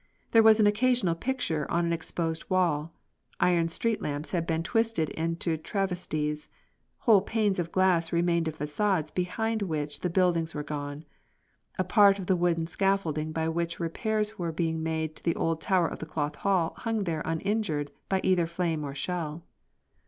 There was an occasional picture on an exposed wall; iron street lamps had been twisted into travesties; whole panes of glass remained in façades behind which the buildings were gone. A part of the wooden scaffolding by which repairs were being made to the old tower of the Cloth Hall hung there uninjured by either flame or shell.